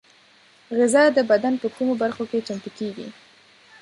غذا د بدن په کومو برخو کې چمتو کېږي؟